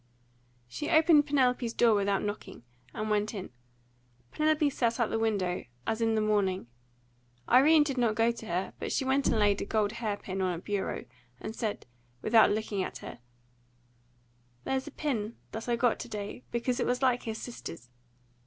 She opened Penelope's door without knocking, and went in. Penelope sat at the window, as in the morning. Irene did not go to her; but she went and laid a gold hair pin on her bureau, and said, without looking at her, "There's a pin that I got to day, because it was like his sister's.